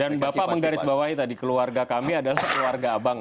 dan bapak menggarisbawahi tadi keluarga kami adalah keluarga abangan